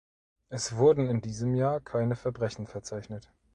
Es wurden in diesem Jahr keine Verbrechen verzeichnet.